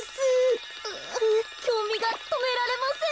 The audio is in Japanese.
きょうみがとめられません。